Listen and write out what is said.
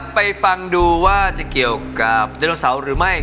ไปฟังดูว่าจะเกี่ยวกับไดโนเสาร์หรือไม่